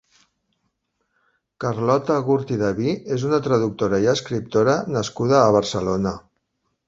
Carlota Gurt i Daví és una traductora i escriptora nascuda a Barcelona.